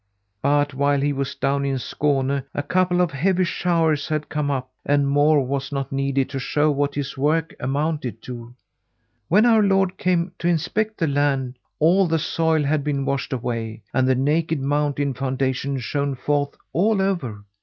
"But while he was down in Skåne, a couple of heavy showers had come up, and more was not needed to show what his work amounted to. When our Lord came to inspect the land, all the soil had been washed away, and the naked mountain foundation shone forth all over.